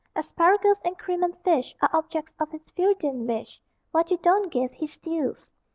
Asparagus, and cream, and fish, Are objects of his Freudian wish; What you don't give, he steals.